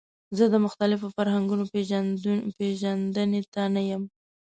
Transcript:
زه د مختلفو فرهنګونو پیژندنې ته نه یم.